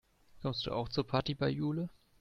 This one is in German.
Kommst du auch zur Party bei Jule?